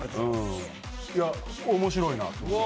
いや、面白いなと思って。